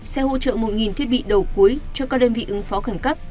sẽ hỗ trợ một thiết bị đầu cuối cho các đơn vị ứng phó khẩn cấp